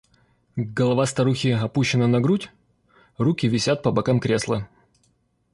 Голова старухи опущена на грудь, руки висят по бокам кресла.